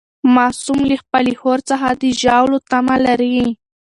معصوم له خپلې خور څخه د ژاولو تمه لري.